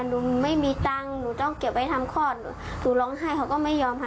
หนูไม่มีตังค์หนูต้องเก็บไว้ทำคลอดหนูร้องไห้เขาก็ไม่ยอมค่ะ